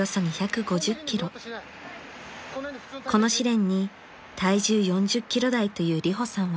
［この試練に体重４０キロ台というリホさんは］